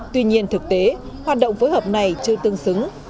tuy nhiên thực tế hoạt động phối hợp này chưa tương xứng